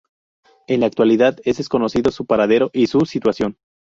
En la actualidad, es desconocido su paradero y su situación.